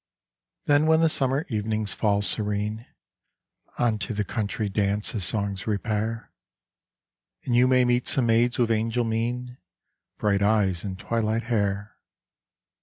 Then when the summer evenings fall serene, Unto the country dance his songs repair, And you may meet some maids with angel mien, Bright eyes and twilight hair.